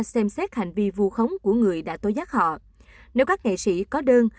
xem xét hành vi vu khống của người đã tối giác họ nếu các nghệ sĩ có đơn